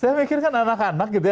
saya mikir kan anak anak gitu ya